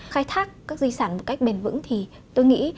khai thác các di sản một cách bền vững thì tôi nghĩ